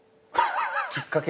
きっかけ？